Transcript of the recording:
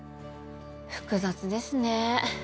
複雑ですねぇ。